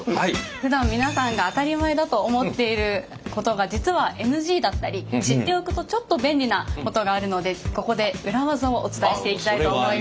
ふだん皆さんが当たり前だと思っていることが実はＮＧだったり知っておくとちょっと便利なことがあるのでここで裏技をお伝えしていきたいと思います。